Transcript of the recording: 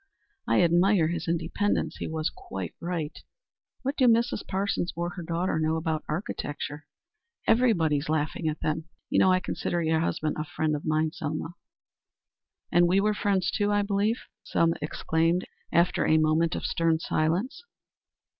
"I admire his independence. He was quite right. What do Mrs. Parsons or her daughter know about architecture? Everybody is laughing at them. You know I consider your husband a friend of mine, Selma." "And we were friends, too, I believe?" Selma exclaimed, after a moment of stern silence.